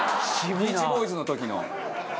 『ビーチボーイズ』の時の。